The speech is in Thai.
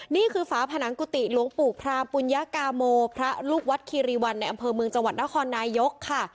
ฝาผนังกุฏิหลวงปู่พรามปุญญากาโมพระลูกวัดคีรีวันในอำเภอเมืองจังหวัดนครนายกค่ะ